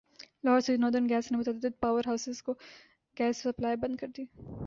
Lahore Sui northern gas نے متعدد power houses کو گیس سپلائی بند کر دی